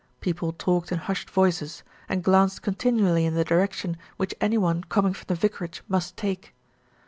People talked in hushed voices, and glanced continually in the direction which any one com ing from the vicarage must take.